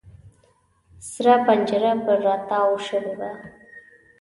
سره پنجره پر را تاو شوې ده.